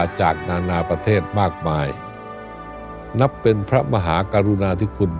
ด้านการกีฬาจากนานาประเทศมากมายนับเป็นพระมหากรุณาธิคุณ